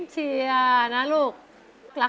ไม่เคยลืมคำคนลำลูกกา